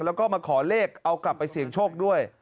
แล้วก็มาขอเลขเอากลับไปเสี่ยงโชคด้วย